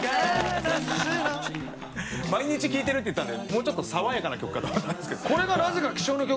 毎日聴いてるって言ってたのでもうちょっと爽やかな曲かと思ったんですけど。